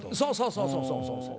そうそうそうそうそう。